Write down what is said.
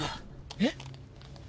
えっ？